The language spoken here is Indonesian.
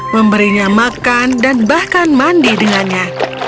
memberinya makan dan bahkan mandi dengannya